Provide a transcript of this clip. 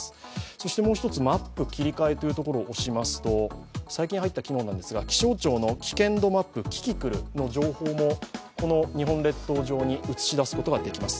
そしてもう一つマップ切り替えというところをおしますと最近入った機能なんですが気象庁の危険度マップ、キキクルの情報も日本列島上に映し出すことができます。